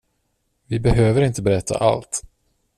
Vi behöver inte berätta allt.